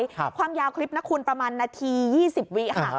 ครับความยาวคลิปนะคุณประมาณนาทียี่สิบวิค่ะอ่า